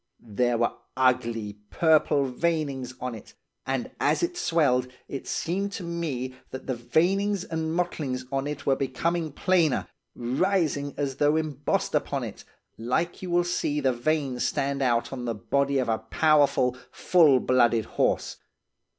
There were ugly, purple veinings on it, and as it swelled, it seemed to me that the veinings and mottlings on it were becoming plainer, rising as though embossed upon it, like you will see the veins stand out on the body of a powerful, full blooded horse.